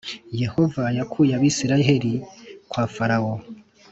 Yehova yakuye abisiraheli kwa farawo